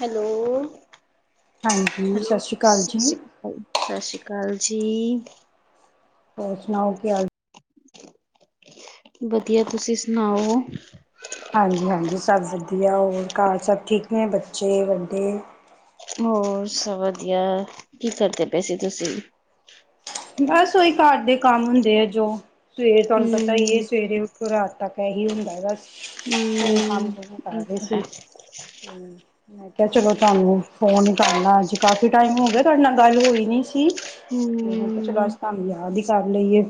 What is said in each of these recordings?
Hello, ਹਾਂਜੀ ਸਤਿ hello ਸ਼੍ਰੀ ਅਕਾਲ ਜੀ ਸਸ ਸ਼੍ਰੀ ਸਸ ਸ੍ਰੀ ਕਾਲ ਜੀ। ਹੋਰ ਸੁਨਾਓ ਕੀ ਹਾਲ ਵਧੀਆ ਤੁਸੀਂ ਸੁਨਾਓ। ਹਾਂਜੀ-ਹਾਂਜੀ ਸਸ [unintelligible] ਦੀਆ ਹੋਰ ਘਰ ਸਭ ਠੀਕ ਨੇ, ਬੱਚੇ ਵੱਡੇ ਹੋਰ ਸਭ ਵਦੀਆ, ਕੀ ਕਰਦੇ ਪਏ ਸੀ ਤੁਸੀਂ? ਬਸ ਓਈ ਘਰ ਦੇ ਕੰਮ ਹੁੰਦੇ ਐ ਜੋ ਸਵੇਰ ਤੁਆਨੂੰ ਪਤਾ ਈ ਹੂੰ-ਹੂੰ। ਏ ਸਵੇਰੇ ਰਾਤ ਤੱਕ ਏਹੀ ਹੁੰਦਾ ਬਸ। ਓਈ ਕੰਮ ਉਹ ਕਰਦੇ ਤਾਂ ਹੈ। ਸੀ, ਹੂੰ। ਮੈਂ ਕੇਆ ਚਲੋ ਤੁਅਆਨੂੰ ਫੋਨ ਈ ਕਰ ਲਾਂ ਅੱਜ, ਕਾਫੀ ਟਾਈਮ ਹੋ ਗਿਆ ਤੁਆਡੇ ਨਾਲ ਗੱਲ ਹੋਈ ਨੀ ਸੀ। ਹੂੰ। ਚੱਲੋ ਅੱਜ ਤੁਆਨੂੰ ਯਾਦ ਈ ਕਰ ਲਈਏ,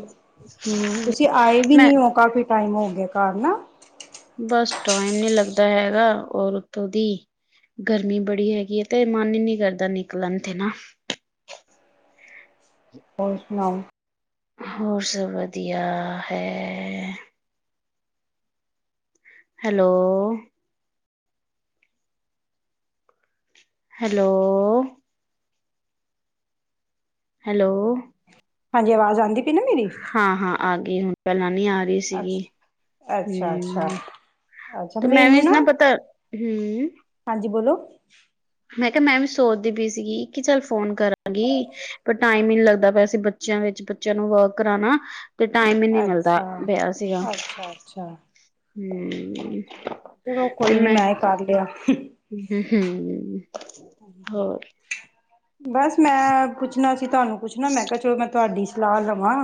ਹੂੰ। ਤੁਸੀਂ ਆਏ ਵੀ ਮੈਂ ਨੀ ਓ ਕਾਫੀ ਟਾਈਮ ਹੋ ਗਿਆ ਘਰ ਨਾ ਬਸ ਟਾਈਮ ਨੀ ਲੱਗਦਾ ਹੈਗਾ ਔਰ ਉਤੋਂ ਦੀ ਗਰਮੀ ਬੜੀ ਹੈਗੀ ਏ ਤੇ ਮਨ ਈ ਨੀ ਕਰਦਾ ਨਿਕਲਨ ਤੇ ਨਾ। ਹੋਰ ਸੁਨਾਓ। ਹੋਰ ਸਭ ਵਦੀਆ ਹੈ। ਹੈਲੋ। ਹੈਲੋ। ਹੈਲੋ। ਹਾਂਜੀ, ਆਵਾਜ਼ ਆਂਦੀ ਪਈ ਨਾ ਮੇਰੀ? ਹਾਂ, ਹਾਂ ਆ ਗੀ ਹੁਨ ਪੈਲਾਂ ਨੀ ਆ ਰੀ ਸੀਗੀ, ਅੱਛਾ ਅੱਛਾ ਅੱਛਾ ਹੂੰ। ਅੱਛਾ ਤੇ, ਮੈਂ ਮੈਨੂੰ ਵੀ ਨਾ ਪਤਾ ਹੂੰ। ਹਾਂਜੀ ਬੋਲੋ ਮੈਂ ਕੇਆ ਮੈਂ ਵੀ ਸੋਚਦੀ ਪਈ ਸੀਗੀ ਕਿ ਚੱਲ ਫੋਨ ਕਰਾਂਗੀ। ਪਰ ਟਾਈਮ ਈ ਨੀ ਲੱਗਦਾ ਪਿਆ ਸੀਂ ਬੱਚੇਆਂ ਵਿੱਚ ਬੱਚੇਆਂ ਨੂੰ ਵਰਕ ਕਰਾਨਾ ਤੇ ਟਾਈਮ ਈ ਨੀ ਮਿਲਦਾ ਅੱਛਾ ਪੇਆ ਸੀਗਾ ਹੂੰ। ਅੱਛਾ ਅੱਛਾ ਚਲੋ ਕੋਈ ਨੀ, ਮੈਂ ਈ ਕਰ ਲੇਆ। ਹੂੰ। ਹੋਰ ਬਸ ਮੈਂ ਪੁੱਛਣਾ ਸੀ ਤੁਆਨੂੰ ਕੁਛ ਨਾ ਮੈਂ ਕੇਆ ਚਲੋ ਮੈਂ ਤੁਆਡੀ ਸਲਾ ਲਵਾਂ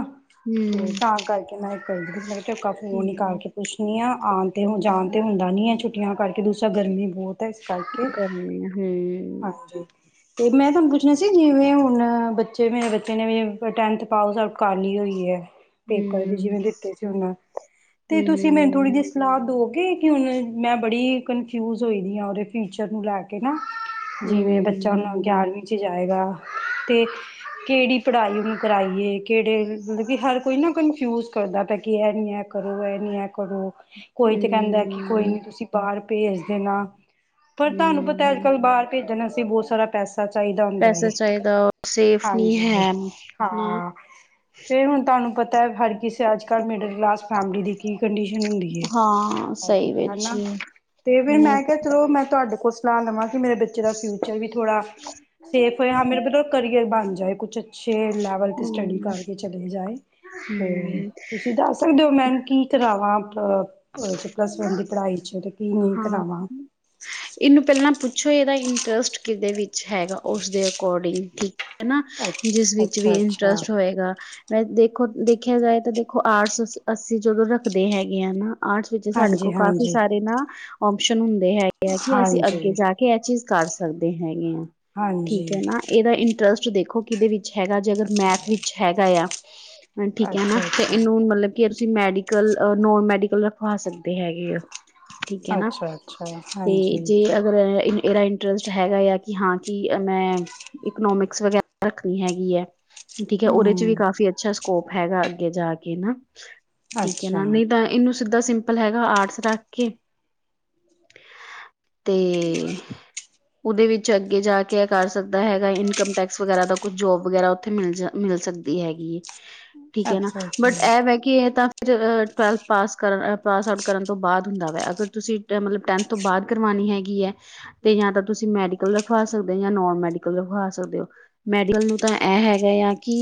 ਹੂੰ ਤੇ ਤਾਂ ਕਰਕੇ ਮੈਂ ਕਰਦੀ ਪਈ ਸੀ ਮੈਂ ਕੇਆ ਚੱਲ ਫੋਨ ਈ ਹੂੰ ਕਰਕੇ ਪੁੱਛਨੀ ਆਂ ਆਨ ਤੇ ਹੁਨ ਜਾਨ ਤੇ ਹੁੰਦਾ ਨੀ ਐ ਛੁੱਟੀਆਂ ਕਰਕੇ ਦੂਸਰਾ ਗਰਮੀ ਬੋਤ ਗਰਮੀ ਹਮ, ਹਾਂਜੀ। ਤੇ ਮੈਂ, ਤੁਹਾਨੂੰ ਪੁੱਛਣਾ ਸੀ, ਜਿਵੇਂ ਹੁਣ ਬੱਚੇ ਮੇਰੇ ਬੱਚੇ ਨੇ ਟੈਂਥ ਪਾਸ ਆਊ ਕਰਲੀ ਹੋਈ ਹੈ, ਹੂੰ ਪੇਪਰ ਦੇ ਜਿਵੇਂ ਦਿੱਤੇ ਸੀ, ਉਹਨੇ ਤੇ ਹੂੰ ਤੁਸੀਂ ਮੈਨੂੰ ਥੋੜੀ ਸਲਾਹ ਦੋਗੇ ਕਿ, ਮੈਂ ਬੜੀ ਕਨਫਿਊਜ ਹੋਈ ਦੀ ਆ ਉਹਦੇ ਫਿਊਚਰ ਨੂੰ ਲੈ ਕੇ ਨਾ। ਹੂੰ ਜਿਵੇਂ ਬੱਚਾ ਹੁਨ, ਗਿਆਰਵੀਂ 'ਚ ਜਾਏਗਾ, ਤੇ ਕਿਹੜੀ ਪੜਾਈ ਵੀ, ਕਰਾਈਏ ਕਿਹੜੇ ਮਤਲਬ ਕਿ ਹਰ ਕੋਈ ਨਾ, ਕਨਫਿਊਜ ਕਰਦਾ ਪੇਐ ਕਿ ਐਹ ਨੀ ਹੈ। ਕਰੋ ਐਨ ਨੀ, ਐ ਕਰੋ ਕੋਈ ਹੂੰ ਤੇ ਕਹਿੰਦਾ ਕਿ ਕੋਈ ਨੀ, ਤੁਸੀਂ ਬਾਹਰ ਭੇਜ ਦੇਣਾ ਪਰ ਤੁਹਾਨੂੰ ਪਤਾ। ਹੂੰ ਕੱਲ ਹੋ ਬਾਹਰ ਭੇਜਣ ਵਾਸਤੇ, ਗਿਆ ਬੋਤ ਸਾਰਾ ਪੈਸਾ ਚਾਈਦਾ ਹੁੰਦਾ ਪੈਸਾ ਹੈ, ਚਾਹੀਦਾ ਸੇਫ ਨਹੀਂ ਹਾਂਜੀ ਹੈ ਨਾ ਹਾਂ। ਫੇਰ ਹੁਣ ਤੁਹਾਨੂੰ ਪਤਾ ਹਰ ਕਿਸੇ ਅੱਜ ਕੱਲ ਮਿਡਲ ਕਲਾਸ ਫੈਮਲੀ ਦੀ, ਕੀ ਕੰਡੀਸ਼ਨ ਹੁੰਦੀ। ਹਾਂ ਸਹੀ ਅੱਛਾ ਵਿੱਚ ਹਨਾ ਤੇ ਫਿਰ ਨਹੀਂ ਮੈਂ, ਕਿਹਾ ਚਲੋ ਮੈਂ ਤੁਹਾਡੇ ਕੋਲ ਸਲਾਹ ਲਵਾਂ ਕਿ ਮੇਰੇ ਬੱਚੇ ਬੱਚੇ ਦਾ, ਫਿਊਚਰ ਵੀ ਥੋੜ੍ਹਾ ਸੇਫ ਹੋਏਆ ਮੇਰੇ ਫੇਰ ਕਰੀਅਰ ਬਣ ਜਾਏ ਕੁਛ ਅੱਛੇ ਲੈਵਲ ਤੇ, ਸਟੱਡੀ ਹਮ ਕਰਕੇ ਚਲੇ ਜਾਏ। ਤੇ, ਹਮ ਤੁਸੀਂ ਦੱਸ ਸਕਦੇ ਹੋ ਮੈ ਕੀ ਕਰਾਵਾਂ ਪਲੱਸ ਵਨ ਦੀ, ਪੜਾਈ ' ਤੇ ਕੀ ਨਹੀਂ ਹਾਂ ਕਰਾਵਾਂ? ਇਹਨੂੰ ਪੈਲਾਂ ਪੁੱਛੋ ਇਹਦਾ ਇੰਟਰਸਟ ਕਿਦੇ ਵਿੱਚ ਹੈਗਾ, ਉਸਦੇ ਅਕੋਰਡਿੰਗ ਠੀਕ ਹਨਾ, ਜਿਸ ਵਿਚ ਅੱਛਾ ਵੀ ਅੱਛਾ ਇੰਟਰਸਟ ਹੋਏਗਾ। ਮੈਂ ਦੇਖੋਂ ਦੇਖਿਆਂ ਜਾਏਂ ਤਾਂ ਦੇਂਖੋ ਆਰਟਸ ਅਸੀਂ ਜਦੋਂ ਰੱਖਦੇ ਹੈਗੇ ਆ ਨਾਂ। ਆਰਟਸ ਵਿੱਚ ਸਾਡੇ ਹਾਂਜੀ ਕੋਲ ਕਾਫੀ ਹਾਂਜੀ ਸਾਰੇ ਨਾ, ਓਪਸ਼ਨ ਹੁੰਦੇ ਹੈਗੇ ਆ। ਕਿ, ਅਸੀਂ ਅੱਗੇ ਹਾਂਜੀ ਜਾਂ ਕੇ ਐਹ ਚੀਜ਼ ਕਰ ਸਕਦੇ ਹੈ, ਗੇ ਆ ਹਾਂਜੀ ਠੀਕ ਹੈ, ਨਾ। ਇਹਦਾ ਇੰਟਰਸਟ ਦੇਖੋ ਕਿਦੇ ਵਿੱਚ ਹੈਗਾ ਜੇ, ਅਗਰ ਮੈਥ ਵਿੱਚ ਹੈਗਾ ਆ। ਠੀਕ ਹੈ ਨਾ, ਅੱਛਾ ਤੇ ਅੱਛਾ ਇਹਨੂੰ ਮਤਲਬ ਕਿ ਤੁਸੀਂ ਮੈਡੀਕਲ ਨੋਨ ਮੈਡੀਕਲ ਰ ਪਾ ਸਕਦੇ ਹੈਗੇ ਆਂ, ਠੀਕ ਹੈ ਨਾ, ਅੱਛਾ ਅੱਛਾ ਤੇ ਹਾਂਜੀ ਜੇ ਅਗਰ ਇਹਦਾ ਇੰਟਰਸਟ ਹੈਗਾ ਆ ਕਿ ਹਾਂ, ਕਿ ਮੈ ਇਕਨੋਮਿਕਸ ਵਗੈਰਾ ਰੱਖਣੀ ਹੈਗੀ ਹੈ। ਠੀਕ ਹੈ, ਉਹਦੇ ਚ ਵੀ, ਹਮ ਕਾਫੀ ਅੱਛਾ ਸਕੋਪ ਹੈਗਾ ਅੱਗੇ ਜਾ ਕੇ ਨਾ, ਠੀਕ ਹੈ ਅੱਛਾ ਨਾ, ਨਹੀਂ ਤਾਂ ਇਹਨੂੰ ਸਿੱਧਾ ਸਿੰਪਲ ਹੈਗਾ ਆਰਟਸ ਰੱਖ ਕੇ ਤੇ ਉਹਦੇ ਵਿੱਚ ਅੱਗੇ ਜਾਂ, ਕੇ ਇਹ ਕਰ ਸਕਦਾ ਹੈਗਾ ਇਨਕਮ ਟੈਕਸ ਵਗੈਰਾ ਦਾ ਕੁਝ ਜੋਬ ਵਗੈਰਾ ਉੱਥੇ ਮਿਲ ਜਾ ਮਿਲ ਸਕਦੀ ਹੈਗੀ ਏ। [unintelligible] ਠੀਕ ਹੈ, ਨਾ ਅੱਛਾ ਬਟ ਇਹ ਵੈ ਕੀ, ਏਤਾਂ ਫਿਰ ਟਵੈਲਥ ਪਾਸ ਕਰਨ ਪਾਸ ਆਊਟ ਕਰਨ ਤੋਂ ਬਾਅਦ ਹੁੰਦਾ ਵੇ, ਅਗਰ ਤੁਸੀਂ ਮਤਲਬ ਟੈਂਥ ਤੋਂ ਬਾਅਦ ਕਰਵਾਣੀ ਹੈਗੀ ਹੈ। ਤੇ ਯਾ ਤਾਂ ਤੁਸੀਂ ਮੈਡੀਕਲ ਰਖਵਾ ਸਕਦੇ ਹੋ, ਯਾ ਨੋਨ ਮੈਡੀਕਲ ਰਖਵਾ ਸਕਦੇ ਹੋ। ਮੈਡੀਕਲ ਨੂੰ ਤਾਂ, ਐਹ ਹੈਗਾ ਆ ਕਿ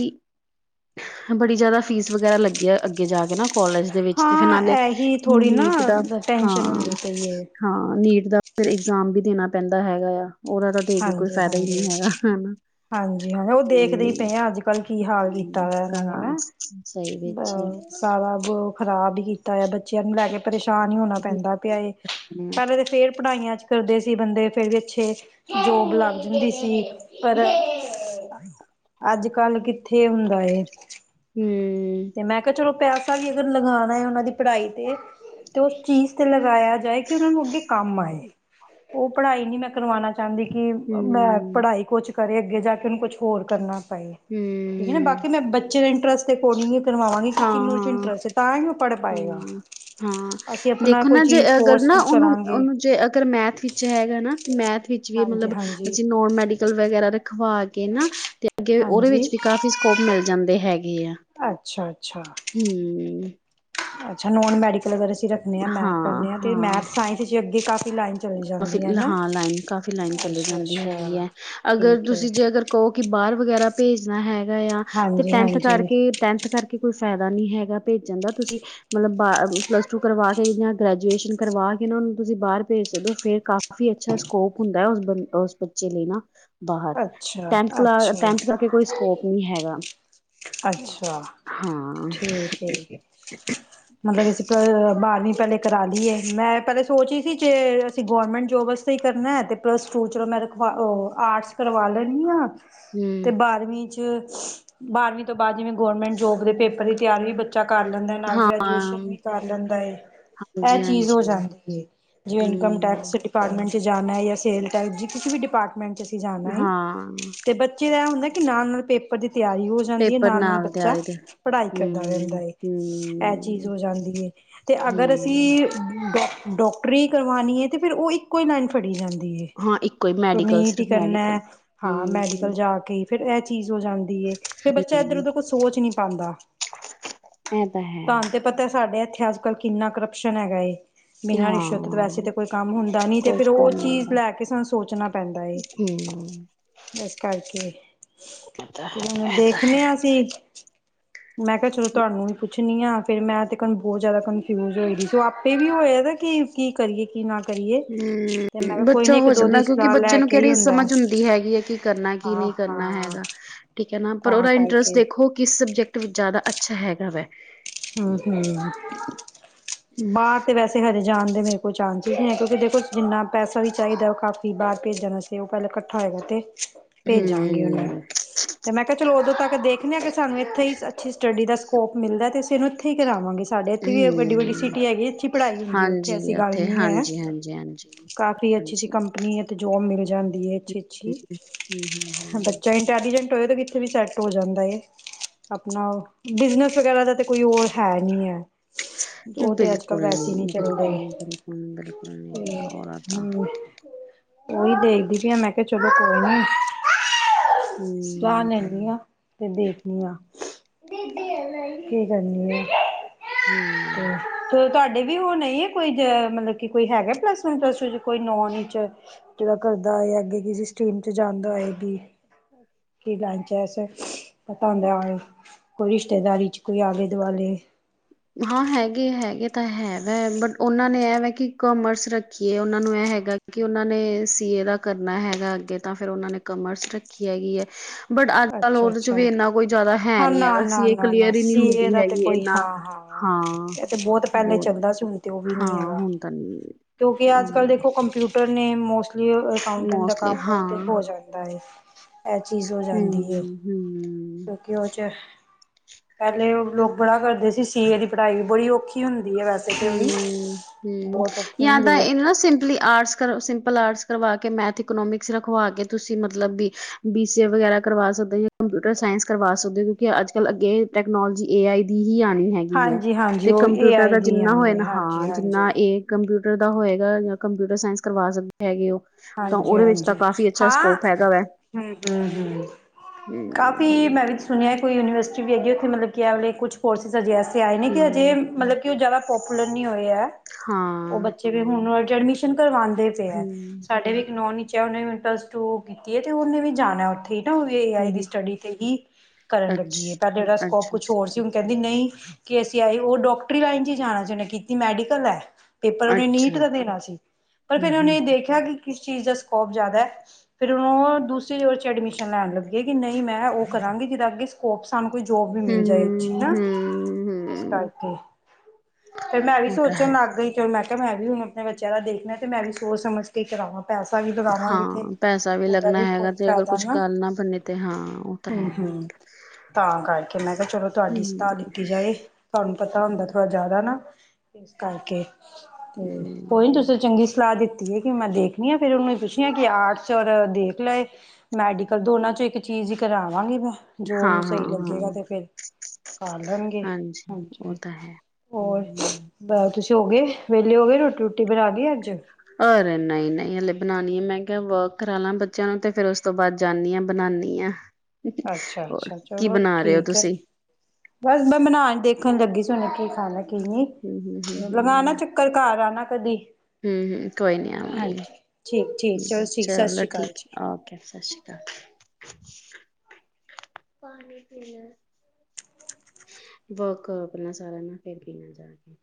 ਬੜੀ ਜਿਆਦਾ ਫੀਸ ਵਗੈਰਾ ਲੱਗਦੀ ਹੈ, ਅੱਗੇ ਜਾ ਕੇ ਨਾ ਕੋਲਜ ਦੇ ਵਿੱਚ ਤੇ ਤੇ ਨਾਲੇ ਹਾਂ ਇਹੀ ਥੋੜ੍ਹੀ ਨਾ ਨੀਟ ਦਾ ਟੈਸ਼ਨ ਹੁੰਦੀ ਹਾਂ। ਪਈ ਏ ਹਾਂ, ਨੀਟ ਦਾ ਫਿਰ ਇਗਜ਼ਾਮ ਵੀ ਦੇਣਾ ਪੈਂਦਾ ਹੈਗਾ ਆ। ਉਹਦਾ ਤਾ ਦੇ ਕੇ ਕੋਈ ਹਾਂਜੀ ਫਾਇਦਾ ਹੀ, ਨਹੀਂ ਹੈਗਾ ਹਨਾ। ਹਾਂਜੀ ਹਾਂਜੀ ਉਹ ਦੇਖਦੇ ਹੀ ਹੂੰ। ਪਏ ਆ ਅੱਜ ਕੱਲ੍ਹ ਕੀ ਹਾਲ ਕੀਤਾ ਹੂੰ, ਵ ਇਹਨਾਂ ਨੇ ਤਾਂ ਨਾ ਸਹੀ ਬ ਵਿੱਚ ਹੂੰ। ਸਵਾ ਬ [unintelligible] ਖ਼ਰਾਬ ਹੀ ਕੀਤਾ ਆ ਬੱਚਿਆਂ ਨੂੰ ਲੈ ਕੇ ਪਰੇਸ਼ਾਨ ਹੀ ਹੋਣਾ ਪੈਂਦਾ ਪਿਆ ਇਹ ਹੂੰ, ਪੈਲੇ ਤਾਂ ਫੇਰ ਪੜ੍ਹਾਈਆਂ ਚ ਕਰਦੇ ਸੀ ਬੰਦੇ ਫੇਰ ਵੀ ਅੱਛੇ ਜੋਬ ਲੱਗ ਜਾਂਦੀ ਸੀ ਪਰ ਅੱਜ ਕੱਲ ਕਿੱਥੇ ਹੁੰਦਾ ਹੂੰ ਤੇ ਮੈਂ ਕਿਆ ਚਲੋ ਪੈਸਾ ਵੀ ਅਗਰ ਲਗਾਨਾ ਏ ਉਨਾਂ ਦੀ ਪੜ੍ਹਾਈ ਤੇ ਤੇ ਉਸ ਚੀਜ਼ ਤੇ ਲਗਾਇਆ ਜਾਏ ਕਿ ਉਨਾਂ ਨੂੰ ਅੱਗੇ ਕੰਮ ਆਏ ਉਹ ਪੜ੍ਹਾਈ ਨਈ ਮੈਂ ਕਰਵਾਉਣਾ ਚਾ‌ ਚਾਂਦੀ ਕਿ ਮੈਂ ਪੜ੍ਹਾਈ ਕੁਛ ਕਰੇ ਅੱਗੇ ਜਾ ਕੇ ਉਨੂੰ ਕੁਛ ਹੋਰ ਕਰਨਾ ਪਏ। ਹੂੰ ਠੀਕ ਏ ਨਾ ਬਾਕੀ ਮੈਂ ਬੱਚੇ ਦੇ ਇੰਟਰਸ ਤੇ ਅਕੋਡਿਂਗ ਕਰਵਾਵਾਂਗੇ ਕਿ ਇਨੂ ਇਦੇ ਚ ਹਾਂ-ਹਾਂ। ਇੰਟਰਸਟ ਏ, ਤਾਂ ਈ ਉ ਪੜ੍ਹ ਪਾਏਗਾ। ਹੂੰ, ਹਾਂ ਅਸੀਂ ਆਪਣਾ ਦੇਖੋ ਕੋਈ ਨਾ ਜੇ ਚੀਜ਼ ਅਗਰ ਫੋਰਸ ਨਾ ਕਰਾਂਗੇ ਉਨੂੰ-ੳਨੂੰ ਜੇ ਅਗਰ ਮੈਥ ਵਿੱਚ ਚ ਹੈਗਾ ਨਾ, ਤੇ ਮੈਥ ਵਿੱਚ ਵੀ ਹਾਂਜੀ ਮਤਲਬ ਹਾਂਜੀ ਅਸੀਂ ਨੋਨ ਮੈਡੀਕਲ ਵਗੈਰਾ ਰਖਵਾ ਕੇ ਨਾ ਤੇ ਅੱਗੇ ਉਦੇ ਵੇਚ ਹਾਂਜੀ ਵੀ ਕਾਫ਼ੀ ਸਕੋਪ ਮਿਲ ਜਾਂਦੇ ਹੈਗੇ ਆ। ਅੱਛਾ ਅੱਛਾ ਹੂੰ ਅੱਛਾ ਨੋਨ ਮੈਡੀਕਲ ਅਗਰ ਅਸੀਂ ਰੱਖਨੇ ਆਂ ਮੈਥ ਕਰਨੇ ਆ ਤੇ ਹਾਂ-ਹਾਂ। ਮੈਥ ਸਾਇੰ ਜੇ ਅੱਗੇ ਕਾਫੀ ਲਾਈਨ ਚਲੀ ਜਾਂਦੀ ਹੈ ਨਾ। ਹਾਂ ਲਾਈਨ ਕਾਫੀ ਲਾਈਨ ਚਲੀ ਅੱਛਾ ਜਾਂਦੀ ਅੱਛਾ। ਹੈਗੀ ਐ ਅਗਰ ਠੀਕ ਹੈ ਤੁਸੀਂ ਜੇ ਅਗਰ ਕੋ ਕਿ ਬਾਰ ਵਗੈਰਾ ਭੇਜਨਾ ਹੈਗਾ ਆ ਤੇ ਹਾਂਜੀ ਟੈਂਥ ਹਾਂਜੀ ਕਰਕੇ ਟੈਂਥ ਕਰਕੇ ਕੋਈ ਫੈਦਾ ਨੀ ਹੈਗਾ ਭੇਜਨ ਦਾ ਤੁਸੀਂ ਮਲਬ ਬਾ ਪਲੱਸ ਟੂ ਕਰਵਾ ਕੇ ਯਾਂ ਗ੍ਰੈਜੂਏਸ਼ਨ ਕਰਵਾ ਕੇ ਨਾ ੳਨੂੰ ਤੁਸੀਂ ਬਾਰ ਭੇਜ ਸਕਦੇ ੳ, ਫੇਰ ਕਾਫ਼ੀ ਅੱਛਾ ਸਕੋਪ ਹੁੰਦੈ ਉਸ ਬ ਉਸ ਬੱਚੇ ਲਈ ਨਾ। ਬਾਹਰ ਅੱਛਾ ਟੈਂਥ ਕਲਾ ਅੱਛਾ ਟੈਥ ਕਰਕੇ ਕੋਈ ਸਕੋਪ ਨੀ ਹੈਗਾ। ਅੱਛਾ ਹਾਂ ਠੀਕ ਏ। ਮਲਬ ਅਸੀਂ ਬਾਰਵੀਂ ਪੈਲੇ ਕਰਾ ਲਈਏ, ਮੈਂ ਪੈਲੇ ਸੋਚ ਰਹੀ ਸੀ ਜੇ ਅਸੀਂ ਗੌਰਮੈਂਟ ਜੋਬ ਤੇ ਕਰਨੈ ਤੇ ਪਲੱਸ ਟੂ ਚਲੋ ਮੈਂ ਰਖਵਾ ੳ, ਆਰਟਸ ਕਰਵਾ ਲੈਂਦੀ ਆਂ ਤੇ ਬਾਰਵੀਂ ਚ ਬਾਰਵੀਂ ਤੋਂ ਬਾਦ ਜਿਵੇਂ ਗੌਰਮੈਂਟ ਜੋਬ ਦੇ ਪੇਪਰ ਦੀ ਤਿਆਰ ਵੀ ਬ ਬੱਚਾ ਕਰ ਲੈਂਦਾ ਏ, ਨਾਲ ਗ੍ਰੈਜੂਏਸ਼ਨ ਹਮ ਵੀ ਕਰ ਲੈਂਦਾ ਏ। ਹਾਂ ਐ ਹਾਂਜੀ ਚੀਜ਼ ਹੋ ਹਾਂਜੀ ਜਾਂਦੀ ਏ, ਜਿਵੇਂ ਇਨਕਮ ਹਮ ਟੈਕਸ ਡਿਪਾਟਮੈਂਟ ਚ ਜਾਨੈ ਯਾ ਸੇਲ ਟੈਕਸ ਕਿਸੀ ਵੀ ਡਿਪਾਰਟਮੈਂਟ ਚ ਜਾਣਾ ਏ, ਹਾਂ ਤੇ ਬ ਬੱਚੇ ਦਾ ਐ ਹੁੰਦੈ ਕਿ ਨਾਲ-ਨਾਲ ਪੇਪਰ ਦੀ ਤਿਆਰੀ ਹੋ ਜਾਂਦੀ ਏ, ਪੇਪਰ ਨਾਲ-ਨਾਲ ਨਾਲ ਬੱਚਾ ਤਿਆਰੀ ਦੇ ਪੜ੍ਹਾਈ ਕਰਦਾ ਹਮ ਰੈਦਾ ਏ। ਐ ਚੀਜ਼ ਹਮ ਹੋ ਜਾਂਦੀ ਏ। ਅਤੇ ਅਗਰ ਹਮ ਅਸੀਂ ਡੋ ਡੋ ਟਰੀ ਕਰਵਾਨੀ ਏ ਤੇ ਫੇਰ ਉ ਇੱਕੋ ਈ ਲਾਈਨ ਫੜੀ ਜਾਂਦੀ ਏ। ਹਾਂ ਇੱਕੋ ਹੀ ਫੇਰ ਮੈਡੀਕਲ ਨੀਟ ਈ ਸਿਰਫ ਕਰਨੈ ਮੈਡੀਕਲ ਹਾਂ ਹਮ ਮੈਡੀਕਲ ਜਾ ਕੇ ਫੇਰ ਐ ਚੀਜ਼ ਹੋ ਜਾਂਦੀ ਏ, ਫੇਰ ਬੱਚਾ ਏਧਰ ਹਮ ਉਧਰ ਕੁਛ ਸੋਚ ਨੀ ਪਾਂਦਾ। ਇਹ ਹੈ ਤਾਂ ਤੇ ਪਤਾ ਸਾਡੇ ਇੱਥੇ ਅੱਜ ਕੱਲ੍ਹ ਕਿੰਨਾ ਕਰਪਸ਼ਨ ਹੈਗਾ ਏ। ਬਿਨਾਂ ਰਿਸ਼ਵਤ ਤੇ ਤੇ ਵੈਸੇ ਤਾਂ ਹਾਂ ਕੋਈ ਕੰਮ ਹੁੰਦਾ ਨੀ ਤੇ ਕੁਛ ਫੇਰ ਉ ਕੰਮ ਨੀ ਚੀਜ਼ ਹੁੰਦਾ ਲੈ ਕੇ ਸਾਨੂੰ ਸੋਚਨਾ ਪੈਂਦਾ ਏ। ਹਮ ਏਸ ਕਰਕੇ ਤੇ ਹੂਨ ਇਹ ਤਾਂ ਦੇਖਨਾ ਹੈ ਆਂ ਅਸੀ। ਮੈਂ ਕਿਆ ਚਲੋ ਤੁਆਨੂੰ ਵੀ ਪੁੱਛਨੀ ਆ ਫੇਰ ਮੈਂ ਤੇ ਬੋਤ ਜਾਦਾ ਕਨਫਿਊਜ ਹੋਈ ਦੀ ਸੀ। ੳ ਆਪੇ ਵੀ ਹੋਇਆ ਦੇ ਕੀ ਕੀ ਕਰੀਏ ਕੀ ਨਾ ਕਰੀਏ ਤੇ ਮੈਂ ਕਿਹਾ ਹੂੰ ਕੋਈ ਨੀ ਬੱਚਾ ਇੱਕ ਹੋ ਦੋ ਦੀ ਜਾਂਦਾ ਕਿਉਂਕਿ ਸਲਾਹ ਬੱਚੇ ਲੈ ਨੂੰ ਕੇ ਹੀ ਕਿਹੜੀ ਹੁੰਦਾ ਸਮਝ ਹੁੰਦੀ ਹੈਗੀ ਏ, ਕੀ ਕਰਨਾ ਕੀ ਹਾਂ ਨਈ ਕਰਨਾ ਹਾਂ ਹੈਗਾ। ਠੀਕ ਏ ਨਾ ਪਰ ਤਾਂ ਉਦਾ ਇੰਟਰਸਟ ਕਰਕੇ ਦੇਖੋ ਕਿਸ ਸਬਜੈਕਟ ਵਿੱਚ ਜਾਦਾ ਅੱਛਾ ਹੈਗਾ ਵੈ। ਹੂੰ ਹੂੰ ਬਾਰ ਤੇ ਵੈਸੇ ਹਜੇ ਜਾਨ ਦੇ ਮੇਰੇ ਕੋਲ ਚਾਂਸ ਨੀ ਹੈ, ਕਿਉਂਕਿ ਦੇਖੋ ਜਿੰਨਾ ਪੈਸਾ ਵੀ ਚਾਈਦਾ ਉ ਕਾਫੀ ਬਾਰ ਭੇਜਨ ਵਾਸ ਤੇ ਉ ਪੈਲਾਂ ਕੱਠਾ ਹੋਏਗਾ ਤੇ ਭੇਜਾਂਗੇ ਉਨੇ। ਹਮ ਤੇ ਮੈਂ ਕਿਆ ਚਲੋ ਉਦੋਂ ਤੱਕ ਦੇਖਦੇ ਹਾਂ ਕਿ ਸਾਨੂੰ ਇੱਥੇ ਈ ਅੱਛੀ ਸਟੱਡੀ ਦਾ ਸਕੋਪ ਮਿਲਦਾ ਤੇ ਅਸੀਂ ਇਨੂੰ ਇੱਥੇ ਈ ਕਰਵਾਂਗੇ। ਸਾਡੇ ਇੱਥੇ ਵੀ ਐ ਵੱਡੀ-ਵੱਡੀ ਹਮ ਸਿਟੀ ਹੈਗੀ। ਇੱਛੀ ਪੜ੍ਹਾਈ ਹੁੰਦੀ ਉੱਥੇ ਹਾਂਜੀ ਐਸੀ ਗੱਲ ਉੱਥੇ ਨੀ ਐ। ਹਾਂਜੀ ਹਾਂਜੀ ਹਾਂਜੀ ਕਾਫੀ ਅੱਛੀ-ਅੱਛੀ ਹਾਂਜੀ ਕੰਪਨੀ ਏ ਤੇ ਜੋਬ ਮਿਲ ਜਾਂਦੀ ਐ। ਅੱਛੀ [unintelligible] ਹੂੰ-ਹੂੰ, ਹੂੰ-ਹੂੰ। ਟੈਲੀਜ਼ੈਟ ਹੋਏ ਤੇ ਕਿਥੇ ਵਿੱਚ ਵੀ ਸੈਟ ਹੋ ਜਾਂਦਾ ਏ। ਆਪਣਾ ਓ, ਬਿਜ਼ਨਸ ਵਗੈਰਾ ਦਾ ਕੋਈ ਹੋਰ ਹੈ ਨੀ ਐ। ਉਹ ਤੇ ਅੱਜ-ਕੱਲ੍ਹ ਬਿਲਕੁਲ ਵੈਸੇ ਨੀ ਬਿਲਕੁਲ ਚੱਲਦੇ। ਨੀ ਬਿਲਕੁਲ ਬਿਲਕੁਲ, ਆਉਣਾ ਤਾਂ ਓਈ ਦੇਖਦੀ ਪ‌ਈ ਆ, ਮੈਂ ਕਿਹਾ ਚਲੋ ਕੋਈ ਨੀ [inaudible] ਸਲਾਹ ਲੈਂਣੀ ਆ ਫਿਰ ਦੇਖਣੀ ਆ, ਕੀ ਕਰਨੀ ਆ। ਹਮ। ਤੇ ਫੇਰ ਤੁਹਾਡੇ ਵੀ ਉਹ ਨਹੀਂ ਐ ਕੋਈ ਜ, ਮਤਲਬ ਕਿ ਕੋਈ ਹੈਗਾ ਪਲੱਸ-ਵਨ, ਪਲੱਸ-ਟੂ 'ਚ, ਕੋਈ ਨੋਨ ਇੱਚ। ਜਿਹੜਾ ਕਰਦਾ ਹੋਏ ਜਾਂ ਅੱਗੇ ਕਿਸੀ ਸਟੀਮ 'ਚ ਜਾਂਦਾ ਹੋਏਗੀ। ਕੀ ਬਲੈਂਚ ਅਸਰ ਪਤਾ ਹੁੰਦਾ। ਕੋਈ ਰਿਸ਼ਤੇਦਾਰੀ 'ਚ, ਕੋਈ ਆਲੇ-ਦੁਆਲੇ ਹਾਂ, ਹੈਗੇ-ਹੈਗੇ ਤਾਂ ਹੈ ਵੈ। ਬਟ, ਉਹਨਾਂ ਨੇ ਇਹ ਵੈ ਕਿ, ਕਾਮਰਸ ਰੱਖੀ ਏ। ਉਹਨਾਂ ਨੂੰ ਇਹ ਹੈਗਾ ਕਿ, ਉਹਨਾਂ ਨੇ ਸੀ ਏ ਦਾ ਕਰਨਾ ਹੈਗਾ ਅੱਗੇ ਤਾਂ ਫਿਰ ਉਹਨਾਂ ਨੇ ਕਾਮਰਸ ਰੱਖੀ ਹੈਗੀ ਐ। ਬਟ, ਅੱਜ-ਕੱਲ੍ਹ ਅੱਛਾ ਉਹਦੇ 'ਚ ਵੀ, ਅੱਛਾ ਇੰਨਾ ਕੋਈ ਜ਼ਿਆਦਾ ਹੈ ਹਾਂ ਨੀ ਨਾ ਹੈਗਾ। ਨਾ ਸੀਏ ਨਾ ਨਾ ਕਲੀਅਰ ਈ ਨਹੀਂ ਸੀਏ ਹੁੰਦੀ ਦਾ ਤੇ ਹੈਗੀ। ਕੋਈ ਇਨਾ ਹਾਂ ਹਾਂ, ਇਹ ਤੇ ਪਹਿਲੇ ਬਹੁਤ ਚੱਲਦਾ ਸੀ ਹੁਣ ਤੇ ਉਹ ਵੀ ਨੀ ਹਾਂ, ਹੈਗਾ ਹੁਣ ਤਾਂ ਨਹੀਂ। ਕਿਉਂਕਿ, ਅੱਜ-ਕੱਲ੍ਹ ਦੇਖੋ, ਕੰਪਿਊਟ ਟਰ ਨੇ, ਮੋਸਟਲੀ ਅਕਾਊਂਟੈਂਟ ਦਾ ਮੋਸਟਲੀ ਕੰਮ ਹਾਂ ਤੇ ਹੋ ਜਾਂਦਾ ਏ। ਇਹ ਚੀਜ਼ ਹੋ ਜਾਂਦੀ ਹਮ ਹਮ। ਘਿਓ 'ਚ ਪਹਿਲੇ ਲੋਕ ਬੜਾ ਕਰਦੇ ਸੀ, ਸੀਏ ਦੀ ਪੜ੍ਹਾਈ ਵੀ ਬੜੀ ਔਖੀ ਹੁੰਦੀ ਐ ਵੈਸੇ ਤਾਂ ਉਹ ਵੀ ਹੂੰ-ਹੂੰ, ਬਹੁਤ ਔਖੀ ਜਾਂ ਤਾਂ ਹੁੰਦੀ ਹੈ ਇਹ ਨਾ ਸਿੰਮਪਲੀ ਆਟਸ ਕਰ, ਸਿੰਪਲ ਆਟਸ ਕਰਵਾ ਕੇ, ਮੈਥ, ਇਕੋਨੋਮਿਕਸ ਰਖਵਾ ਕੇ, ਤੁਸੀਂ ਮਤਲਬ ਵੀ ਬੀ ਸੀ ਏ ਵਗੈਰਾ ਕਰਵਾ ਸਕਦੇ ਓ। ਕੰਪਿਊਟਰ ਸਾਇੰਸ ਕਰਵਾ ਸਕਦੇ। ਕਿਉਂਕਿ, ਅੱਜ-ਕੱਲ੍ਹ ਅੱਗ਼ੇ ਇਹ ਨੌਲੇਜ, ਏ ਆਈ, ਦੀ ਹੀ ਆਂਣੀ ਹੈਗੀ ਏ ਹਾਂਜੀ ਹਾਂਜੀ ਤੇ ਉਹ ਏ ਕੰਪਿਊਟਰ ਆਈ ਦਾ ਦੀ ਜਿੰਨਾ ਹੋਏ ਆਣੀ ਨਾ ਹੈ ਹਾਂਜੀ ਹਾਂ, ਹਾਂਜੀ ਜਿੰਨਾ ਇਹ ਕੰਪਿਊਟਰ ਦਾ ਹੋਏਗਾ। ਕੰਪਿਊਟਰ ਸਾਇੰਸ, ਕਰਵਾ ਸਕਦੇ ਹੈਗੇ ਓ। ਤਾਂ, ਹਾਂਜੀ ਉਹਦੇ ਵਿੱਚ ਤਾਂ ਹਾਂਜੀ ਕਾਫ਼ੀ ਅੱਛਾ ਹਾਂ ਸਕੋਪ ਹੈਗਾ ਵੈ। ਹਮ ਹਮ ਹੂੰ। ਸੁਨਿਆ ਕੋਈ ਯੂਨੀਵਰਸਿਟੀ ਵੀ ਹੈਗੀ ਐ। ਉੱਥੇ ਮਤਲਬ ਐਹ ਵਾਲੇ ਕੁਛ ਕੋਰਸਿਸ ਅਜੇ ਐਸੇ ਆਏ ਨੇ, ਕਿ ਅਜੇ ਹਮ ਮਤਲਬ ਕਿ ਜ਼ਿਆਦਾ ਪੋਪੂਲਰ ਨੀ ਹੋਏ ਐ। ਹਾਂ। ਫਿਰ ਏ ਹੁਣ, ਅੱਜ ਐਡਮਿਸ਼ਨ ਕਰਵਾਂਦੇ ਪਏ ਐ। ਹਮ ਸਾਡੇ ਵੀ ਇੱਕ ਨੋ-ਨਿਚ ਐ। ਉਹਨੇ ਵੀ ਹੁਣ ਪਲੱਸ-ਟੂ ਕੀਤੀ ਏ ਤੇ ਉਹਨੇ ਵੀ ਜਾਣਾ ਉੱਥੇ ਹੁਣ, ਏ ਆਈ ਹਮ ਦੀ ਸਟੱਡੀ ਤੇ ਹੀ ਕਰਨ ਅੱਛ ਲੱਗੀ ਏ। ਪਹਿਲੇ ਉਹਦਾ ਸਕੋਪ ਅੱਛਾ ਕੁਛ ਅੱਛਾ ਹੋਰ ਸੀ। ਹੁਣ ਕਹਿੰਦੀ ਨਹੀਂ ਕਿ, ਅਸੀਂ ਆਈ ਉਹ ਡੋਕਟਰੀ ਲਾਈਨ 'ਚ ਜਾਣਾ ਸੀ, ਉਹਨੇ ਕੀਤੀ ਮੈਡੀਕਲ ਐ। ਪੇਪਰ ਉਹਨੇ ਨੀਟ ਅੱਛਾ। ਹੂੰ ਦਾ ਦੇਣਾ ਸੀ। ਪਰ, ਫਿਰ ਹੂੰ। ਉਹਨੇ ਇਹ ਦੇਖਿਆ ਕਿ ਕਿਸ ਚੀਜ਼ ਦਾ ਸਕੋਪ ਜ਼ਿਆਦਾ। ਫਿਰ, ਉਹ ਦੂਸਰੀ ਰ 'ਚ ਐਡਮਿਸ਼ਨ ਲੈਣ ਲੱਗੀਏ। ਕਿ ਨਹੀਂ ਮੈਂ ਉਹ ਕਰਾਂਗੀ, ਜਿਹਦਾ ਅੱਗੇ ਸਕੋਪ ਸਾਨੂੰ ਕੋਈ ਜੋਬ ਵੀ ਮਿਲ ਜਾਏ ਇੱਥੀ ਹੂੰ ਨਾ। ਹੂੰ ਇਸ ਹੂੰ। ਕਰਕੇ ਫੇਰ, ਮੈਂ ਵੀ ਉਹ ਤਾਂ ਹੈ ਸੋਚਣ ਲੱਗ ਗਈ। ਫਿਰ ਮੈਂ ਕਿਹਾ, ਮੈਂ ਵੀ ਹੁਣ ਆਪਣੇ ਬੱਚਿਆਂ ਦਾ ਦੇਖਣਾ ਤੇ ਮੈਂ ਵੀ, ਸੋਚ ਸਮਝ ਕੇ ਈ ਕਰਾਵਾਂ। ਪੈਸਾ ਵੀ ਲਗਾਵਾਂਗੇ ਤੇ ਹਾਂ, ਪੈਸਾ ਵੀ ਉਹਦਾ ਲੱਗਣਾ ਕੋਈ ਹੈਗਾ ਤੇ ਅਗਰ ਫਾਇਦਾ ਕੁਛ ਕਰ ਨਾ ਬਨੇ ਤੇ ਹਾਂ। ਤਾਂ ਹੂੰ ਹੂੰ [unintelligible] ਤਾਂ ਕਰਕੇ ਮੈਂ ਕਿਹਾ ਚਲੋ, ਤੁਹਾਡੀ ਸਤਾਹ ਹੂੰ ਲਿੱਤੀ ਜਾਏ। ਤੁਆਨੂੰ ਪਤਾ ਹੁੰਦਾ ਥੋੜਾ ਜਾਦਾ ਨਾ, ਕਰਕੇ ਤੇ ਕੋਈ ਨੀ ਤੁਸੀਂ ਚੰਗੀ ਸਲਾਅ ਦੀ ਕੀ ਮੈਂ ਦੇਖਣੀ ਆ ਫੇਰ ਓਨੂੰ ਪੁੱਛੇਆ ਕੀ ਆਟਸ ਔਰ ਦੇਖ ਲਏ ਮੈਡੀਕਲ ਦੋਨਾਂ ਚੋਂ ਏਕ ਚੀਜ਼ ਈ ਕਰਾਵਾਂਗੀ ਮੈਂ ਜੋ ਹਾਂ ਓਨੂੰ ਸਈ ਹਾਂ ਹਾਂ। ਲੱਗੇਗਾ ਤੇ ਫੇਰ ਕਰ ਲੈਣਗੇ, ਉਹ ਹਾਂਜੀ ਤਾਂ ਹੈ ਹੋਰ? ਹੂੰ। ਬ ਤੁਸੀਂ ਹੋ ਗਏ ਵੇਲੇ ਹੋ ਗਏ ਰੋਟੀ-ਰੂਟੀ ਬਣਾ ਲੀ ਅੱਜ? ਅਰੇ ਨਈ-ਨਈ ਹਲੇ ਬਣਾਣੀ ਏ ਮੈਂ ਕੇਆ ਵਾਕ ਕਰਾ ਲਾ ਬੱਚੇਆਂ ਨੂੰ ਤੇ ਫੇਰ ਓਸ ਤੋਂ ਬਾਦ ਜਾਂਨੀ ਆਂ ਬਨਾਨੀ ਆਂ। ਅੱਛਾ ਛਾ ਚਲੋ ਹੋ ਠੀਕ ਏ ਤੁਸੀਂ? ਬਸ ਮੈਂ ਬਨਾਣ ਦੇਖਣ ਲੱਗੀ ਸੀ ਹੁਨੇ ਕੀ ਖਾਣਾ ਕੀ ਨਈ, ਹੂੰ ਹੂੰ ਹੂੰ ਲਗਾਣਾ ਚ ਕਰ ਘਰ ਆਨਾ ਕਦੀ। ਹੂੰ-ਹੂੰ ਕੋਈ ਨੀ ਆਵਾਂਗੇ ਠੀਕ ਠੀਕ ਚਲੋ ਠੀਕ ਸਤਿ ਚਲ ਸ਼੍ਰੀ ਅਕਾਲ ਠੀਕ ਜੀ ਏ ਓਕੇ ਸਛੀ ਪਾਣੀ ਪੀਣਾ ਵਾਕ ਕਰੋ ਪੈਲਾਂ ਸਾਰਾ ਨਾਲ ਫੇਰ ਪੀ ਨਾ ਜਾ ਕੇ